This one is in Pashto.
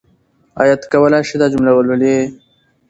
آیا ته کولای شې دا جمله ولولې؟